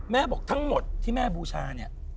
บอกทั้งหมดที่แม่บูชาเนี่ย